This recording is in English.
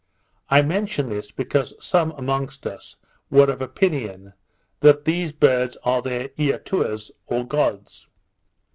I mention this, because some amongst us were of opinion that these birds are their Eatuas, or gods.